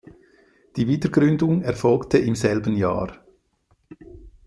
Die Wiedergründung erfolgte im selben Jahr.